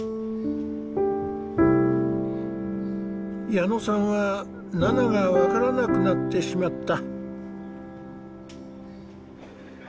矢野さんはナナが分からなくなってしまった。